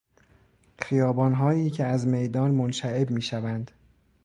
خیابانهایی که از میدان منشعب می شوند